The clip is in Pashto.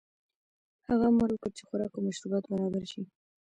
هغه امر وکړ چې خوراک او مشروبات برابر شي.